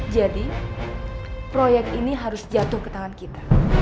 jadi proyek ini harus jatuh ke tangan kita